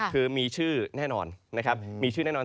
คือมีชื่อแน่นอน